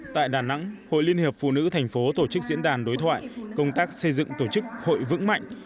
tại đà nẵng hội liên hiệp phụ nữ thành phố tổ chức diễn đàn đối thoại công tác xây dựng tổ chức hội vững mạnh